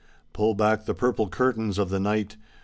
Pull back the purple curtains of the night.